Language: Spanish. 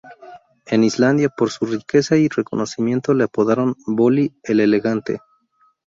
En Islandia, por su riqueza y reconocimiento le apodaron "Bolli el Elegante".